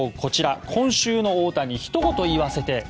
今週の大谷、ひと言言わせて。